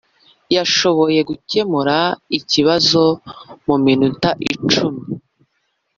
yashoboye gukemura ikibazo muminota icumi.